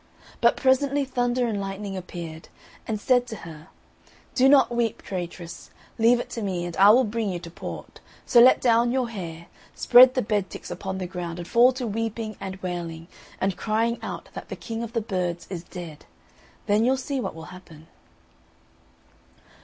But presently Thunder and Lightning appeared, and said to her, "Do not weep, Traitress, leave it to me, and I will bring you to port; so let down your hair, spread the bed ticks upon the ground, and fall to weeping and wailing, and crying out that the king of the birds is dead, then you'll see what will happen."